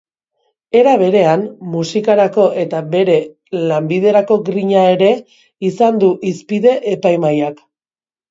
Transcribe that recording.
Era berean, musikarako eta bere lanbiderako grina ere izan du hizpide epaimahaiak.